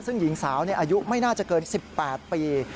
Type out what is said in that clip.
ซึ่งหญิงสาวอายุไม่น่าจะเกิน๑๘ปี